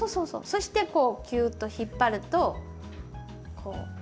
そしてこうキューッと引っ張るとこう。